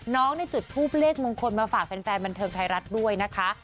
ในจุดทูปเลขมงคลมาฝากแฟนบันเทิงไทยรัฐด้วยนะคะ